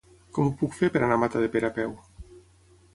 Com ho puc fer per anar a Matadepera a peu?